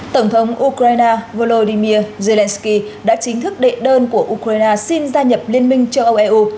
tổng thống ukraine volodymyr zelensky đã chính thức đệ đơn của ukraine xin gia nhập liên minh châu âu eu